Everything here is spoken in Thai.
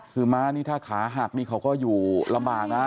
คือม้านี่ถ้าขาหักนี่เขาก็อยู่ลำบากนะ